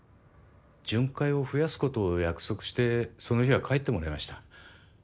巡回を増やすことを約束してその日は帰ってもらいました。